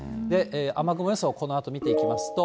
雨雲予想、このあと見ていきますと。